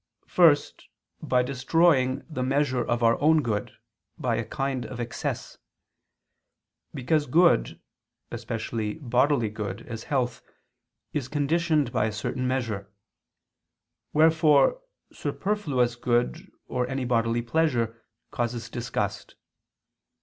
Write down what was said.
First, by destroying the measure of our own good, by a kind of excess; because good, especially bodily good, as health, is conditioned by a certain measure: wherefore superfluous good or any bodily pleasure, causes disgust.